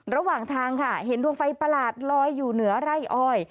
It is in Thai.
ระหว่างทางค่ะเห็นดวงไฟประหลาดลอยอยู่เหนือไร่อ้อย